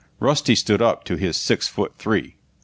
Rusty stood up to his six foot three.